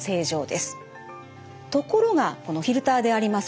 ところがこのフィルターであります